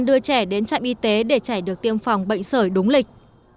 đưa trẻ đến trạm y tế để trẻ được tiêm phòng bệnh sởi đúng lịch